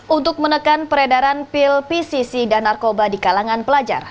untuk menekan peredaran pil pcc dan narkoba di kalangan pelajar